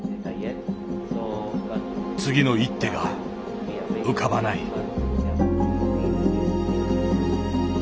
次の一手が浮かばない。